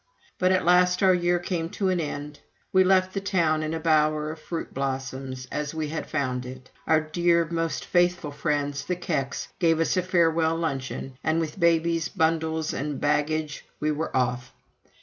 But at last our year came to an end. We left the town in a bower of fruit blossoms, as we had found it. Our dear, most faithful friends, the Kecks, gave us a farewell luncheon; and with babies, bundles, and baggage, we were off.